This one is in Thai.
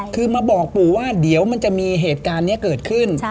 คือมาบอกปู่ว่าเดี๋ยวมันจะมีเหตุการณ์นี้เกิดขึ้น